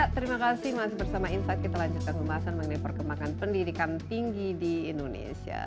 terima kasih masih bersama insight kita lanjutkan pembahasan mengenai perkembangan pendidikan tinggi di indonesia